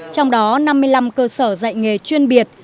trong đó năm mươi năm cơ sở dạy nghề chuyên biệt